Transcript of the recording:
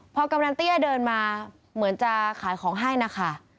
พอกำนันเตี้ยเดินมาเหมือนจะขายของให้นะคะ